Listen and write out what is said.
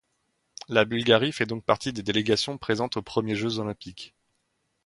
La Bulgarie fait donc partie des délégations présentes aux premiers Jeux olympiques.